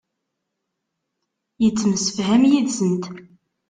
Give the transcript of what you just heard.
Yettemsefham yid-sent.